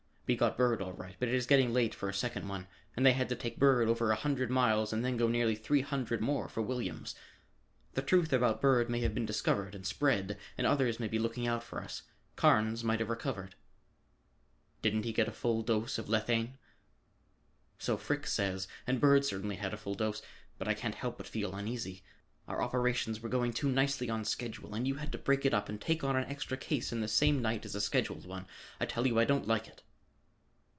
We got Bird all right, but it is getting late for a second one, and they had to take Bird over a hundred miles and then go nearly three hundred more for Williams. The news about Bird may have been discovered and spread and others may be looking out for us. Carnes might have recovered." "Didn't he get a full dose of lethane?" "So Frick says, and Bird certainly had a full dose, but I can't help but feel uneasy. Our operations were going too nicely on schedule and you had to break it up and take on an extra case in the same night as a scheduled one. I tell you, I don't like it."